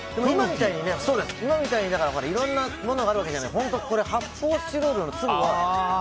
今みたいに、いろんなものがあるわけじゃないから発泡スチロールの粒を。